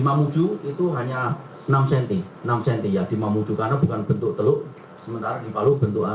mamuju itu hanya nangcentieleri boleh bantu karena bukan bentuk lucu kalian paham bentuk